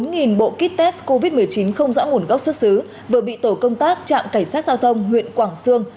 bốn bộ kit test covid một mươi chín không rõ nguồn gốc xuất xứ vừa bị tổ công tác trạm cảnh sát giao thông huyện quảng sương